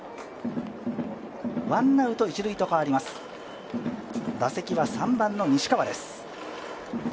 ワンアウト一塁と変わります、打席は３番の西川です。